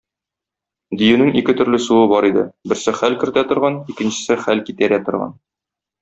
Диюнең ике төрле суы бар иде - берсе хәл кертә торган, икенчесе хәл китәрә торган.